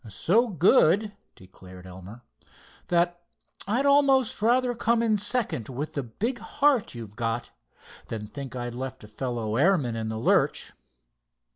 "So good," declared Elmer; "that I'd almost rather come in second with the big heart you've got, than think I'd left a fellow airman in the lurch."